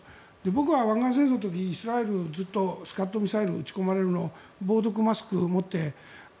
僕は湾岸戦争の時イスラエルずっとスカッドミサイルを撃ち込まれるのを防毒マスクを持って。